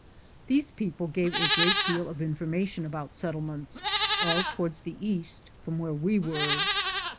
These people gave a great deal of information about settlements, all toward the east from where we were.!